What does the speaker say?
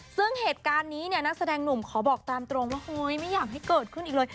ซึ่งเหตุการณ์นี้เนี่ยนักแสดงหนุ่มขอบอกตามตรงว่าเฮ้ยไม่อยากให้เกิดขึ้นอีกเลย